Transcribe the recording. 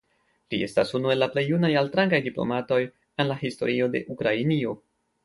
Li estas unu el la plej junaj altrangaj diplomatoj en la historio de Ukrainio.